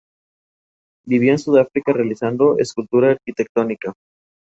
La dieta de "A. a. australis" está compuesta por peces, cefalópodos, y crustáceos.